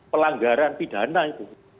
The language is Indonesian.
pelanggaran pidana itu